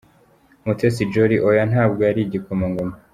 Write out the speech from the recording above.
Mutesi Jolly: Oya, ntabwo yari igikomangoma.